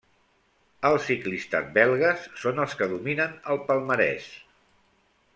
Els ciclistes belgues són els que dominen el palmarès.